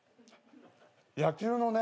野球のね。